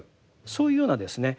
そういうようなですね